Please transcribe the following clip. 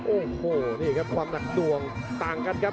โอ้โหนี่ครับความหนักหน่วงต่างกันครับ